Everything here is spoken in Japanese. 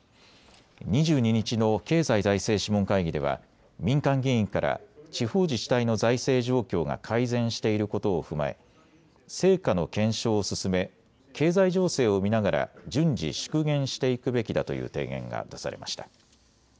２２日の経済財政諮問会議では民間議員から地方自治体の財政状況が改善していることを踏まえ、成果の検証を進め、経済情勢を見ながら順次縮減していくべきだという提言が出されました。